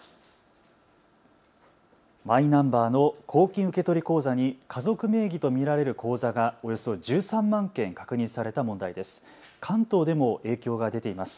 マイナンバーの公金受取口座に家族名義と見られる口座がおよそ１３万件確認された問題です。